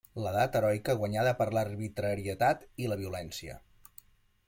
L'edat heroica, guanyada per l'arbitrarietat i la violència.